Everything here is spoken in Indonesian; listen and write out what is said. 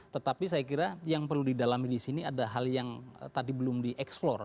tetapi saya kira yang perlu didalami disini ada hal yang tadi belum di explore